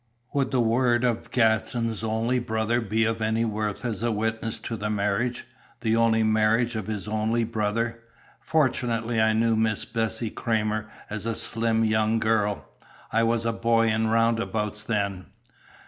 "Would the word of Gaston's only brother be of any worth as a witness to the marriage, the only marriage of his only brother? Fortunately I knew Miss Bessie Cramer as a slim young girl. I was a boy in roundabouts then."